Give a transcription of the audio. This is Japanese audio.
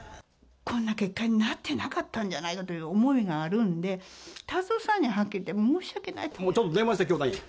こんな結果になってなかったんじゃないのという思いがあるんで、達夫さんには、ちょっと電話して、教団に。